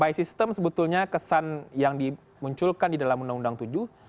jadi by system sebetulnya kesan yang dimunculkan di dalam undang undang tujuh